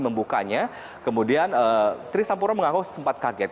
membukanya kemudian trisampurno mengaku sempat kaget